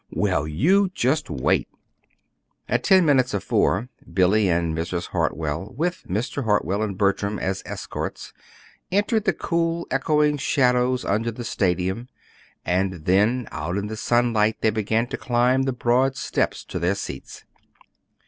Well, you just wait!" At ten minutes of four Billy and Mrs. Hartwell, with Mr. Hartwell and Bertram as escorts, entered the cool, echoing shadows under the Stadium, and then out in the sunlight they began to climb the broad steps to their seats.